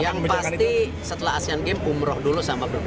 yang pasti setelah asian games umroh dulu sama keluarga